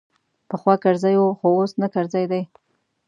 پخوا کرزی وو خو اوس نه کرزی دی.